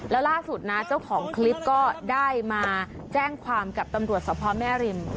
แล้วล่าสุดนะเจ้าของคลิปก็ได้มาแจ้งความกับตำรวจสภแม่ริม